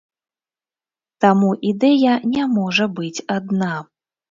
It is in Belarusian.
Таму ідэя не можа быць адна.